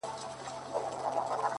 معلمه وه پرستاره وه مشاوره وه